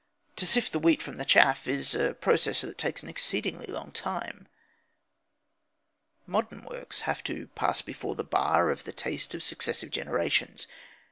To sift the wheat from the chaff is a process that takes an exceedingly long time. Modern works have to pass before the bar of the taste of successive generations.